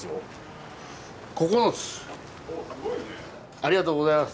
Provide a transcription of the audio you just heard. ありがとうございます。